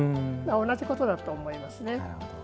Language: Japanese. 同じことだと思いますね。